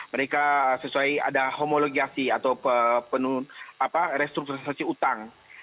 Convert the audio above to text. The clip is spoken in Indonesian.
mereka sesuai ada homologasi atau restrukturisasi utang